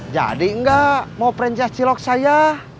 jadi enggak mau franchise cilok saya